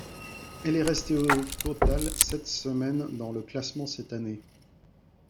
Elle est restée au total sept semaines dans le classement cette année.